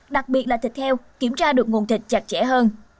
đặc biệt là thịt heo kiểm tra được nguồn thịt chặt chẽ hơn